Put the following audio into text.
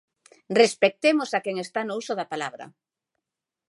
Respectemos a quen está no uso da palabra.